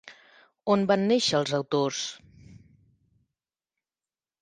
On van néixer els autors?